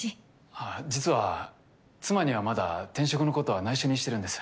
あぁ実は妻にはまだ転職のことはないしょにしてるんです。